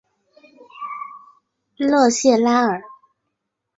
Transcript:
勒谢拉尔。